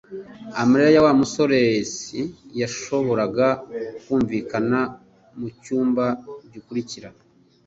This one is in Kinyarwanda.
Amarira ya Wa musoreasi yashoboraga kumvikana mucyumba gikurikira